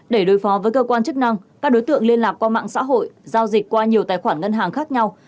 để đối phó với cơ quan chức năng các đối tượng liên lạc qua mạng xã hội giao dịch qua nhiều tài khoản ngân hàng khác nhau